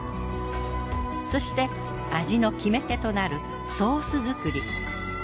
そして味の決め手となるソース作り。